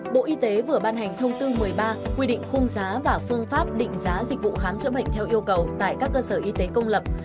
bộ y tế vừa ban hành thông tư một mươi ba quy định khung giá và phương pháp định giá dịch vụ khám chữa bệnh theo yêu cầu tại các cơ sở y tế công lập